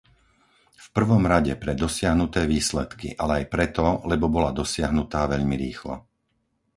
V prvom rade pre dosiahnuté výsledky, ale aj preto, lebo bola dosiahnutá veľmi rýchlo.